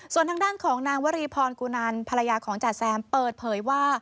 ส่วนทางด้านของนางวรีพรกุนันภรรยาของจ๋าแซมเปิดเผยว่า